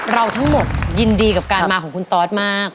เราทั้งหมดยินดีกับการมาของคุณตอสมาก